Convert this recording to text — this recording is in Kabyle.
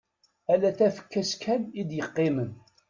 Ala tafekka-s kan i d-yeqqimen.